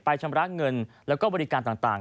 ชำระเงินแล้วก็บริการต่าง